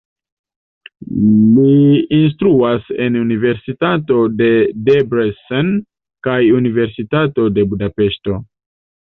Li instruas en universitato de Debrecen kaj Universitato de Budapeŝto.